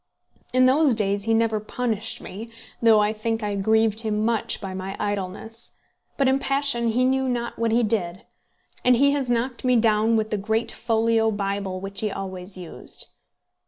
In those days he never punished me, though I think I grieved him much by my idleness; but in passion he knew not what he did, and he has knocked me down with the great folio Bible which he always used.